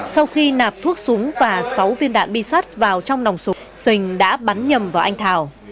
sau khi nạp thuốc súng và sáu viên đạn bi sắt vào trong nòng sụp sình đã bắn nhầm vào anh thảo